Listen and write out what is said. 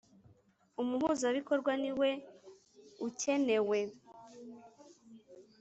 Umuhuzabikorwa niwe ukenewe.